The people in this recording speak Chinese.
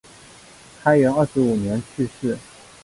开元二十五年去世。